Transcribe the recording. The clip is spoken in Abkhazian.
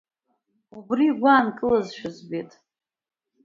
Убри игәы ааннакылазшәа збеит.